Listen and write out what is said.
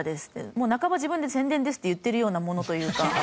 もう半ば自分で宣伝ですって言ってるようなものというか。